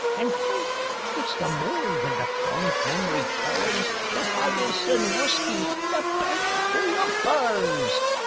And think! it's the morn when fond memory turns Tae haggis and whuskey the Birthday o' Burns.